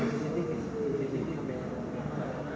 lalu kami dilaporkan kembali ke